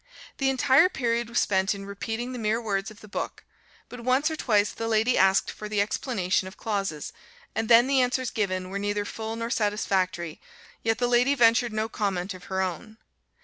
The entire period was spent in repeating the mere words of the book; but once or twice the lady asked for the explanation of clauses, and then the answers given were neither full nor satisfactory, yet the lady ventured no comment of her own.